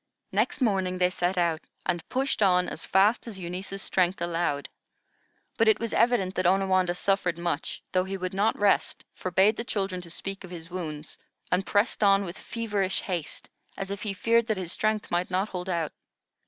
Next morning, they set out and pushed on as fast as Eunice's strength allowed. But it was evident that Onawandah suffered much, though he would not rest, forbade the children to speak of his wounds, and pressed on with feverish haste, as if he feared that his strength might not hold out.